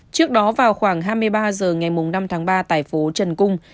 trước đó vào khoảng hai mươi ba h ngày năm tháng ba tại phố trần cung